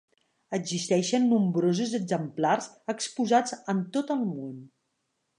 Existeixen nombrosos exemplars exposats en tot el món.